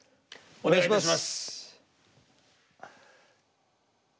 お願いします。